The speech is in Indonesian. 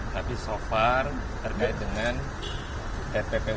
tapi so far terkait dengan penyidik ini